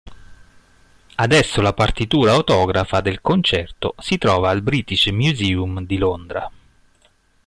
Adesso la partitura autografa del concerto si trova al British Museum di Londra.